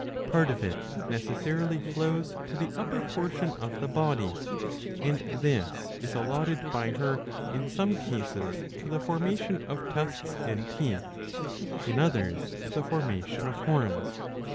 Part of it necessarily flows to the upper portion of the body, and this is allotted by her in some cases to the formation of tusks and teeth, in others to the formation of horns.